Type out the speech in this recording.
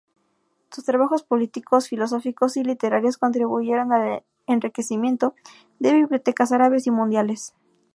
Sus trabajos políticos, filosóficos y literarios contribuyeron al enriquecimiento de bibliotecas árabes y mundiales.